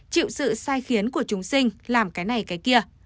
chịu sự sai khiến của chúng sinh làm cái này cái kia